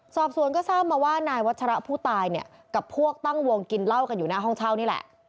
สอบสวนก็ทราบมาว่านายวัชระผู้ตายเนี่ยกับพวกตั้งวงกินเหล้ากันอยู่หน้าห้องเช่านี่แหละ